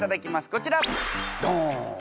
こちらドン！